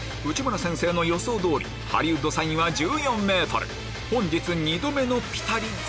内村先生の予想通りハリウッドサインは１４ｍ本日２度目のピタリ！